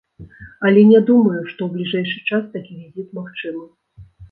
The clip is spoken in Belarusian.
Але не думаю, што ў бліжэйшы час такі візіт магчымы.